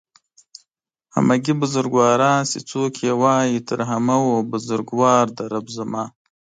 همگي بزرگواران چې څوک يې وايي تر همه و بزرگوار دئ رب زما